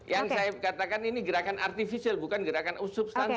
yang saya katakan ini gerakan artifisial bukan gerakan substansi